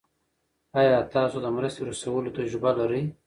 آیا تاسو د مرستې رسولو تجربه لرئ؟